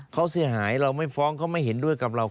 เขาเสียหายเราไม่ฟ้องเขาไม่เห็นด้วยกับเรา